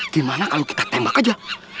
gimana kalau kita tembak aja